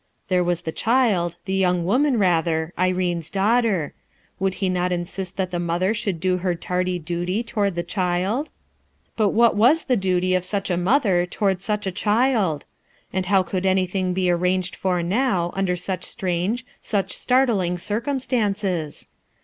There was the child, the yotmg woniau rather, Irene's daughter. Would he not insist that the mother should do her tardy duty toward the child ? But what was the duty of such a mother toward such a child? And how could anything be arranged for now, under such strange, such startling circumstances?